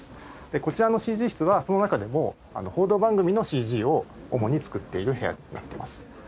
こちらのＣＧ室はその中でも報道番組のＣＧを主に作っている部屋になっています。